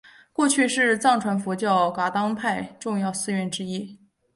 过去是藏传佛教噶当派重要寺院之一。